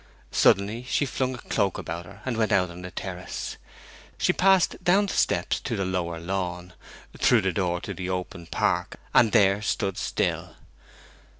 Suddenly she flung a cloak about her and went out on the terrace. She passed down the steps to the lower lawn, through the door to the open park, and there stood still.